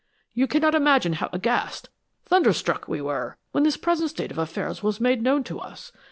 You cannot imagine how aghast, thunderstruck, we were, when this present state of affairs was made known to us.